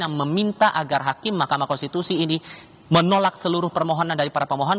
yang meminta agar hakim mahkamah konstitusi ini menolak seluruh permohonan dari para pemohon